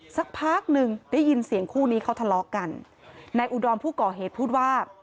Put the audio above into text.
สักพักหนึ่งได้ยินเสียงคู่นี้เขาทะเลาะกันนายอุดรผู้ก่อเหตุพูดว่า